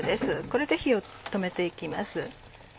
これで火を止めて行きます。